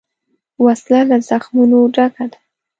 وسله له زخمونو ډکه ده